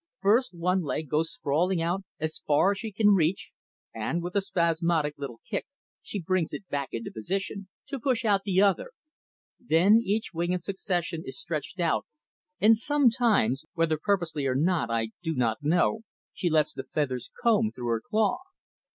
First, one leg goes sprawling out as far as she can reach, and, with a spasmodic little kick, she brings it back into position, to push out the other. Then each wing in succession is stretched out, and sometimes, whether purposely or not I do not know, she lets the feathers comb through her claw.